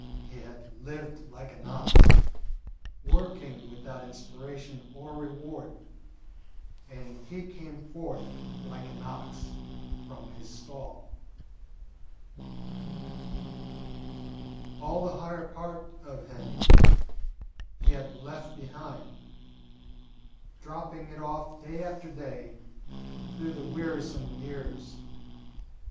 He had lived like an ox, working without inspiration or reward, and he came forth like an ox from his stall. All the higher part of him he had left behind, dropping it off day after day through the wearisome years.